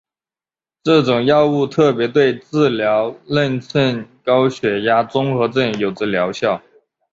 这种药物特别对治疗妊娠高血压综合征有着疗效。